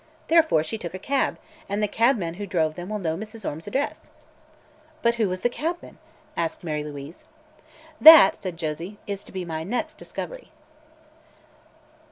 Therefore, she took a cab, and the cabman who drove them will know Mrs. Orme's address." "But who was the cabman?" asked Mary Louise. "That," said Josie, "is to be my next discovery."